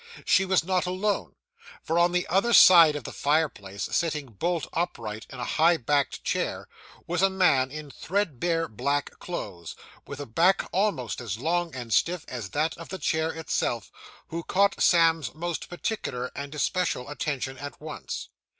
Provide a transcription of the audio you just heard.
She was not alone; for on the other side of the fireplace, sitting bolt upright in a high backed chair, was a man in threadbare black clothes, with a back almost as long and stiff as that of the chair itself, who caught Sam's most particular and especial attention at once.